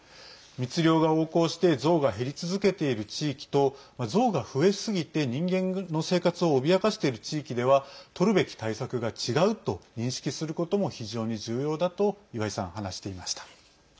密猟が横行してゾウが減り続けている地域とゾウが増えすぎて、人間の生活を脅かしている地域ではとるべき対策が違うと認識することも非常に重要だと岩井さん、話していました。